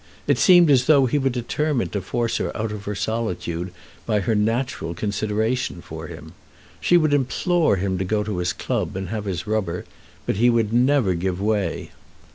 It seemed as though he were determined to force her out of her solitude by her natural consideration for him. She would implore him to go to his club and have his rubber, but he would never give way.